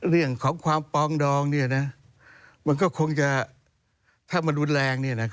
เรื่องของความปองดองเนี่ยนะมันก็คงจะถ้ามันรุนแรงเนี่ยนะ